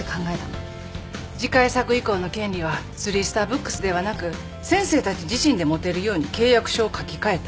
次回作以降の権利はスリースターブックスではなく先生たち自身で持てるように契約書を書き換えた。